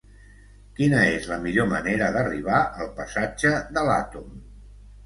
Quina és la millor manera d'arribar al passatge de l'Àtom?